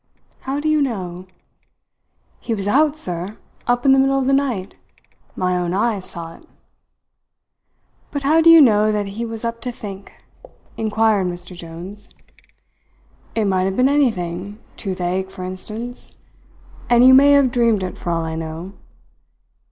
"How do you know?" "He was out, sir up in the middle of the night. My own eyes saw it." "But how do you know that he was up to think?" inquired Mr. Jones. "It might have been anything toothache, for instance. And you may have dreamed it for all I know.